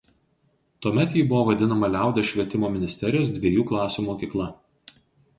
Tuomet ji buvo vadinama liaudies švietimo ministerijos dviejų klasių mokykla.